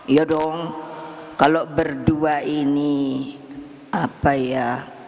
ya dong kalau berdua ini apa ya